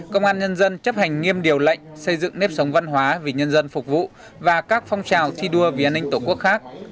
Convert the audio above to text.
công an nhân dân chấp hành nghiêm điều lệnh xây dựng nếp sống văn hóa vì nhân dân phục vụ và các phong trào thi đua vì an ninh tổ quốc khác